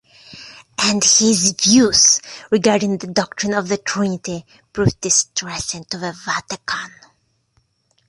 And his views regarding the doctrine of the Trinity proved distressing to the Vatican.